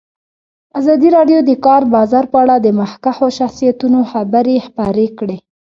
ازادي راډیو د د کار بازار په اړه د مخکښو شخصیتونو خبرې خپرې کړي.